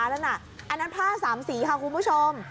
อันนั้นผ้าสามสีค่ะคุณผู้ชม